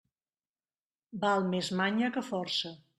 Val més manya que força.